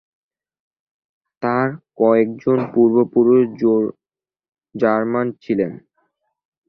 তার কয়েকজন পূর্বপুরুষ জার্মান ছিলেন।